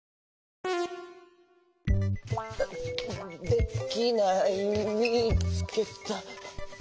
できないみつけた。